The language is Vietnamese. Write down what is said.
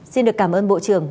xin được cảm ơn bộ trưởng